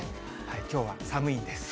きょうは寒いんです。